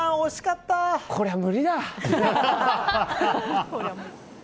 こりゃ無理だ。